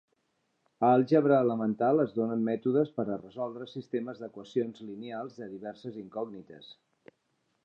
A àlgebra elemental, es donen mètodes per a resoldre sistemes d'equacions lineals de diverses incògnites.